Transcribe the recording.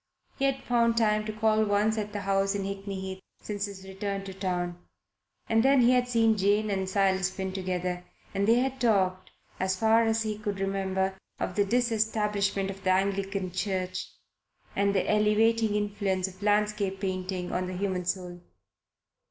He had found time to call once at the house in Hickney Heath since his return to town, and then he had seen Jane and Silas Finn together and they had talked, as far as he could remember, of the Disestablishment of the Anglican Church and the elevating influence of landscape painting on the human soul.